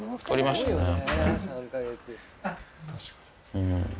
うん。